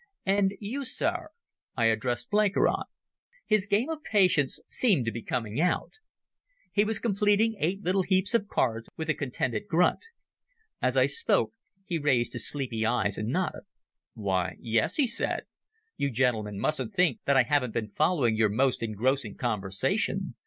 "And you, sir?" I addressed Blenkiron. His game of Patience seemed to be coming out. He was completing eight little heaps of cards with a contented grunt. As I spoke, he raised his sleepy eyes and nodded. "Why, yes," he said. "You gentlemen mustn't think that I haven't been following your most engrossing conversation.